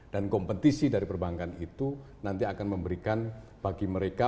dan kompetisi dari perbankan itu nanti akan memberikan bagi mereka